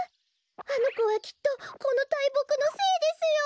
あのこはきっとこのたいぼくの精ですよ。